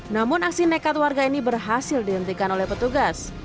namun aksi nekat warga ini berhasil dihentikan oleh petugas